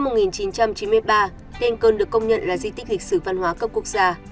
năm một nghìn chín trăm chín mươi ba đền cơn được công nhận là di tích lịch sử văn hóa cấp quốc gia